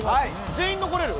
全員残れる？